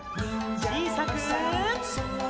ちいさく。